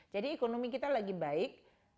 jadi ekonomi kita lagi baik